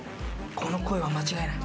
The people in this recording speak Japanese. この声は間違いない。